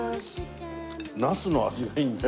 なすの味がいいんだよ